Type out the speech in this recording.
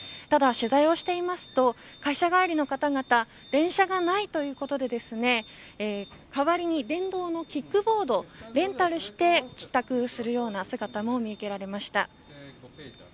ただ取材をしていると会社帰りの方々電車がないということで代わりに電動のキックボードをレンタルして帰宅する姿も見受けられました。